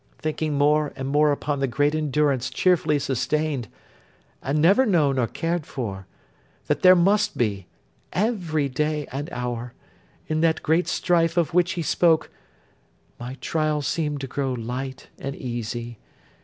Thinking more and more upon the great endurance cheerfully sustained, and never known or cared for, that there must be, every day and hour, in that great strife of which he spoke, my trial seemed to grow light and easy.